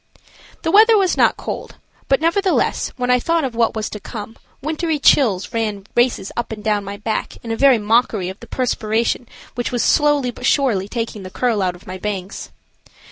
The weather was not cold; but, nevertheless, when I thought of what was to come, wintery chills ran races up and down my back in very mockery of the perspiration which was slowly but surely taking the curl out of my bangs.